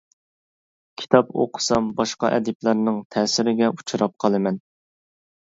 كىتاب ئوقۇسام باشقا ئەدىبلەرنىڭ تەسىرىگە ئۇچراپ قالىمەن.